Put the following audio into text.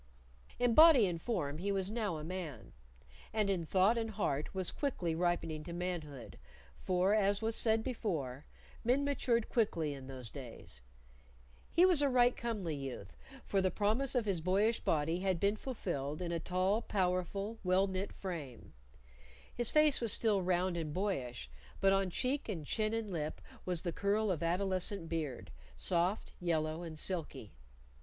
In body and form he was now a man, and in thought and heart was quickly ripening to manhood, for, as was said before, men matured quickly in those days. He was a right comely youth, for the promise of his boyish body had been fulfilled in a tall, powerful, well knit frame. His face was still round and boyish, but on cheek and chin and lip was the curl of adolescent beard soft, yellow, and silky.